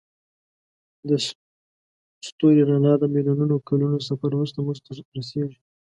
د ستوري رڼا د میلیونونو کلونو سفر وروسته موږ ته رسیږي.